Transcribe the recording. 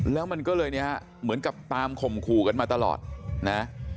แล้วมันก็เลยเนี่ยเหมือนกับตามข่มขู่กันมาตลอดนะ